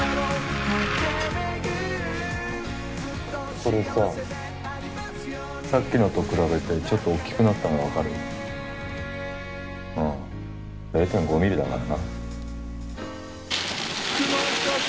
これささっきのと比べてちょっと大きくなったのわかる？ああ０．５ミリだからな。